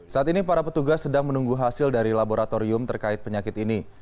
saat ini para petugas sedang menunggu hasil dari laboratorium terkait penyakit ini